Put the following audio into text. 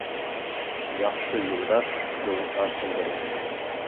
Яҡшы юлдаш юлға күндерер